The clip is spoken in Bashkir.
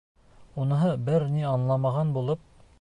Уныһы бер ни аңламаған булып: